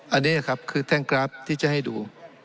อันนี้ครับคือแท่งกราฟที่จะให้ดู